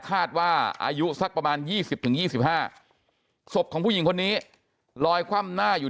อายุสักประมาณ๒๐๒๕ศพของผู้หญิงคนนี้ลอยคว่ำหน้าอยู่